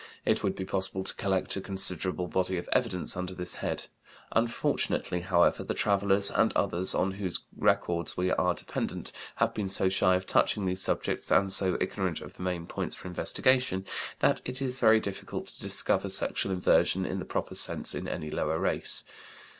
It would be possible to collect a considerable body of evidence under this head. Unfortunately, however, the travellers and others on whose records we are dependent have been so shy of touching these subjects, and so ignorant of the main points for investigation, that it is very difficult to discover sexual inversion in the proper sense in any lower race.